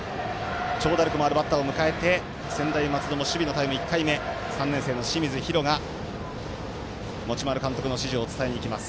長打力のあるバッターも迎えて専大松戸、守備のタイム１回目３年生の清水陽路が持丸監督の指示を伝えにいきます。